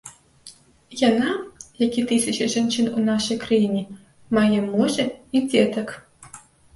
Яна, як і тысячы жанчын у нашай краіне, мае мужа і дзетак.